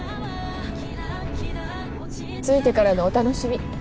着いてからのお楽しみ。